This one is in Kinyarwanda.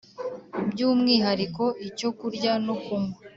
by’umwihariko icyo kurya. No kunywa